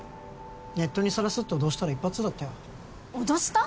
ネットにさらすって脅したら一発だったよ脅した？